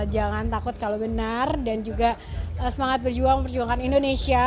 jangan takut kalau benar dan juga semangat berjuang berjuangkan indonesia